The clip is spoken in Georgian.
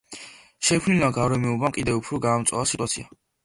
შექმნილმა გარემოებამ კიდევ უფრო გაამწვავა სიტუაცია.